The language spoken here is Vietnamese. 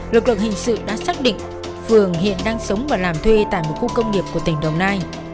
lực lượng hình sự đã xác định phường hiện đang sống và làm thuê tại một khu công nghiệp của tỉnh đồng nai